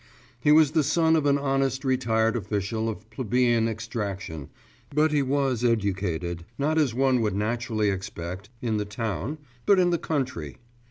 He was the son of an honest retired official of plebeian extraction, but he was educated, not as one would naturally expect, in the town, but in the country.